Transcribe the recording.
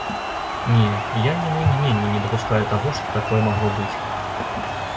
Не, я ні на імгненне не дапускаю таго, што такое магло быць.